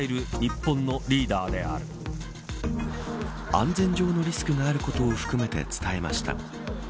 安全上のリスクがあることを含めて伝えました。